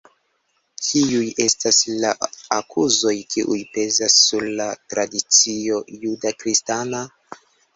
Kiuj estas la akuzoj kiuj pezas sur la tradicio juda kristana?